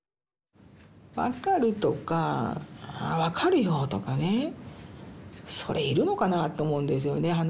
「わかる」とか「わかるよ」とかねそれいるのかなって思うんですよね。